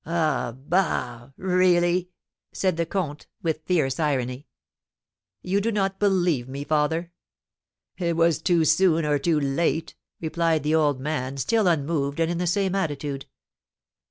"Ah! Bah! Really?" said the comte, with fierce irony. "You do not believe me, father?" "It was too soon or too late!" replied the old man, still unmoved, and in the same attitude.